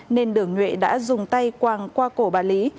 nên đường nhuệ đã dùng tay quàng qua cổ bà lý